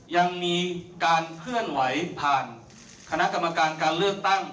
ยังมีการเคลื่อนไหวผ่านคณะกรรมการการเลือกตั้ง